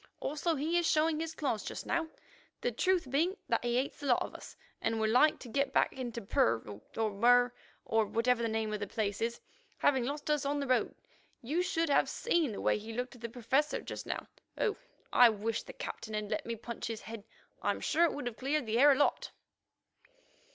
Also, he is showing his claws just now, the truth being that he hates the lot of us, and would like to get back into Purr or Mur, or whatever the name of the place is, having lost us on the road. You should have seen the way he looked at the Professor just now. Oh! I wish the Captain had let me punch his head. I'm sure it would have cleared the air a lot."